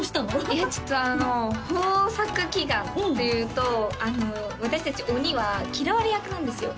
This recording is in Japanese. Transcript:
いやちょっとあの豊作祈願っていうと私達鬼は嫌われ役なんですよ